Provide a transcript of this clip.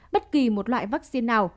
bất kỳ một loại vaccine nào